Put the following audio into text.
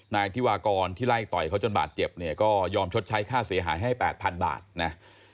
นายธิวากรที่ไล่ต่อยเขาจนบาดเจ็บเนี่ยก็ยอมชดใช้ค่าเสียหายให้๘๐๐๐บาทนะ